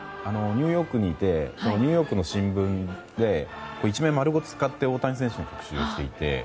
ニューヨークにいてニューヨークの新聞で１面を丸ごと使って大谷選手の特集をしていて。